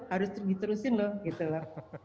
harus diterusin loh gitu loh